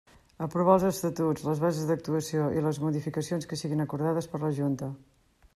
Aprovar els Estatus, les Bases d'actuació i les modificacions que siguin acordades per la Junta.